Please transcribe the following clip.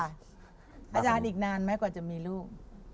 อาจารย์อีกนานไหมกว่าจะมีลูก